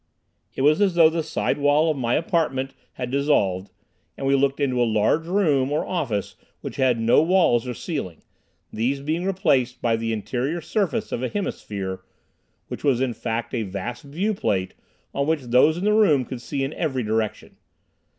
It was as though the side wall of my apartment had dissolved, and we looked into a large room or office which had no walls or ceiling, these being replaced by the interior surface of a hemisphere, which was in fact a vast viewplate on which those in the room could see in every direction.